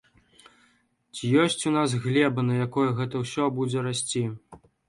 Ці ёсць у нас глеба, на якой гэта ўсё будзе расці?